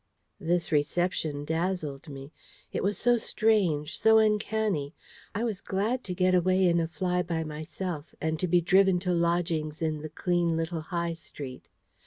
This reception dazzled me. It was so strange, so uncanny. I was glad to get away in a fly by myself, and to be driven to lodgings in the clean little High Street.